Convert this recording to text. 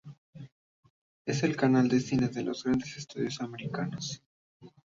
Es el canal de cine de los grandes estudios americanos.